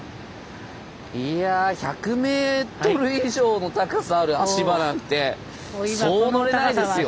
いや１００ｍ以上の高さある足場なんてそう乗れないですよ。